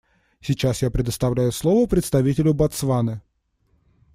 Сейчас я предоставляю слово представителю Ботсваны.